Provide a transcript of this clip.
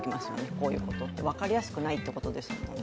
こういうことって、分かりやすくないってことですよね。